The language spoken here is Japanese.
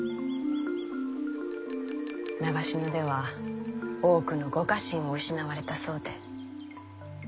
長篠では多くのご家臣を失われたそうで。